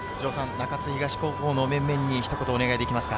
中津東高校の面々にひと言お願いできますか？